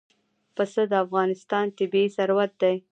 پسه د افغانستان طبعي ثروت دی.